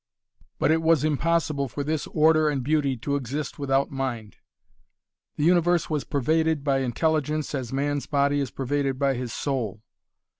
But it was impossible for this order and beauty to exist without mind. The universe was pervaded by intelligence as man's body is pervaded by his soul.